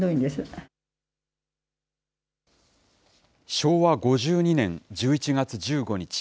昭和５２年１１月１５日。